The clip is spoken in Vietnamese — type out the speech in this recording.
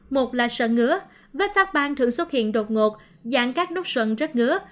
một là sần ngứa vết phát ban thường xuất hiện đột ngột dạng các nút sần rất ngứa